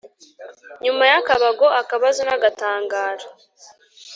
Nyuma y’akabago, akabazo n’agatangaro.